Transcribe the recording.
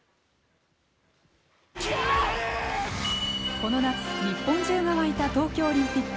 この夏日本中が沸いた東京オリンピック。